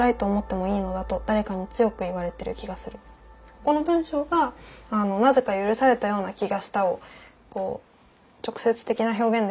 ここの文章が「なぜか、許されたような気がした」を「直接的な表現ですがいいですか？